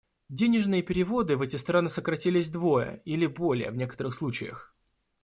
Денежные переводы в эти страны сократились вдвое или более в некоторых случаях.